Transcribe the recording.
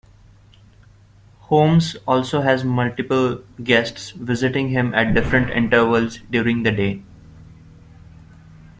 Holmes also has multiple guests visiting him at different intervals during the day.